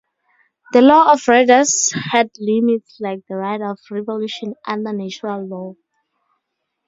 The law of redress had limits like the right of revolution under natural law.